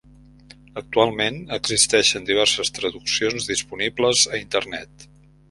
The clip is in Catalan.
Actualment existeixen diverses traduccions disponibles a Internet.